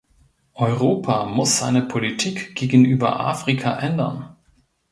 Europa muss seine Politik gegenüber Afrika ändern.